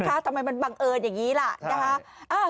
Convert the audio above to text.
ทำไมมันบังเอิญอย่างนี้ล่ะนะคะ